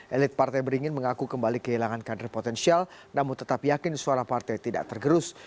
elit partai beringin mengaku kembali kehilangan kader potensial namun tetap yakin suara partai tidak tergerus